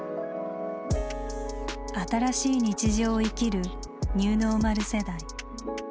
新しい日常を生きるニューノーマル世代。